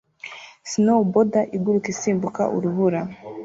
Snowboarder iguruka isimbuka urubura